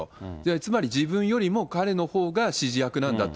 つまり自分よりも彼のほうが指示役なんだと。